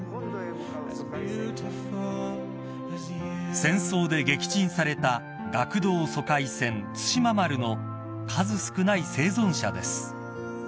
［戦争で撃沈された学童疎開船対馬丸の数少ない生存者です］